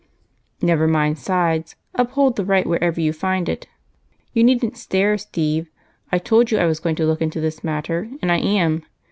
"Never mind sides, uphold the right wherever you find it. You needn't stare, Steve I told you I was going to look into this matter, and I am.